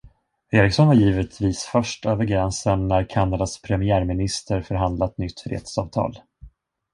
Ericsson var givetvis först över gränsen när Kanadas premiärminister förhandlat nytt fredsavtal.